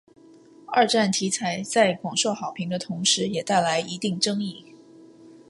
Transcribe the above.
二战题材在广受好评的同时也带来一定争议。